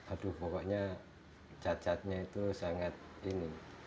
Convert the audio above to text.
aduh pokoknya cacatnya itu sangat ini